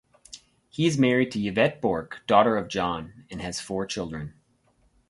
He is married to Yvette Bourque, daughter of John, and has four children.